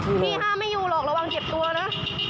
พี่ห้ามไม่อยู่หรอกระวังเจ็บตัวนะ